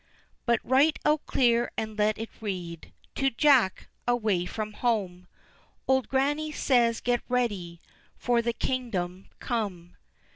But write out clear and let it read _To Jack, away from home, Old Grannie says, get ready, For the Kingdom come.